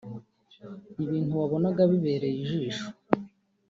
ibintu wabonaga bibereye ijisho